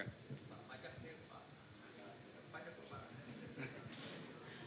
pak pajak pembaharannya